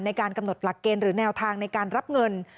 ในการกำหนดหลักเกณฑ์หรือแนวทางในการรับเงิน